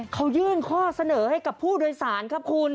เขายื่นข้อเสนอให้กับผู้โดยสารครับคุณ